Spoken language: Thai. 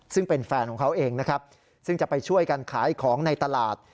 ซึ่งเป็นแฟนของเขาเองนะครับซึ่งจะไปช่วยกันขายของในตลาด